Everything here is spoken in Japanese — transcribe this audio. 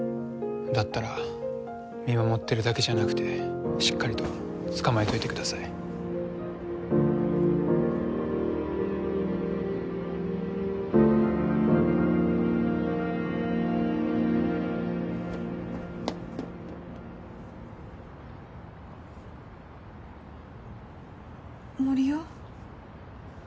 だったら見守ってるだけじゃなくてしっかりと捕まえといてください森生？